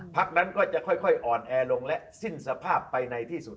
นั้นก็จะค่อยอ่อนแอลงและสิ้นสภาพไปในที่สุด